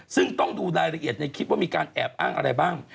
ซึ่งต้องดูรายละเอียดในคลิปว่ามีการแอบอ้างอะไรบ้าง